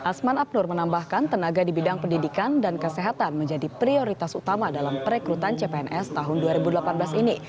asman abnur menambahkan tenaga di bidang pendidikan dan kesehatan menjadi prioritas utama dalam perekrutan cpns tahun dua ribu delapan belas ini